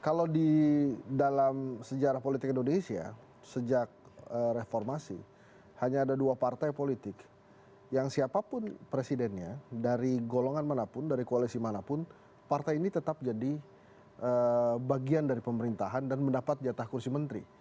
kalau di dalam sejarah politik indonesia sejak reformasi hanya ada dua partai politik yang siapapun presidennya dari golongan manapun dari koalisi manapun partai ini tetap jadi bagian dari pemerintahan dan mendapat jatah kursi menteri